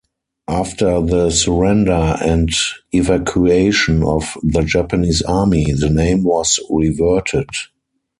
After the surrender and evacuation of the Japanese army, the name was reverted.